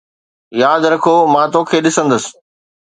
ياد رکو مان توکي ڏسندس